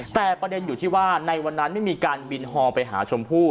แต่ประเด็นอยู่ที่ว่าในวันนั้นไม่มีการบินฮอลไปหาชมพู่